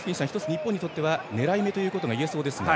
日本にとっては狙い目ということが言えそうです。